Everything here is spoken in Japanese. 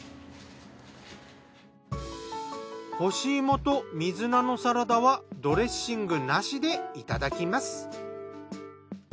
干し芋と水菜のサラダはドレッシングなしでいただきます。